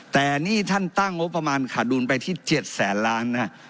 แต่นี่ท่านตั้งงบประมาณขาดดุลไปที่๗แสนล้านนะฮะ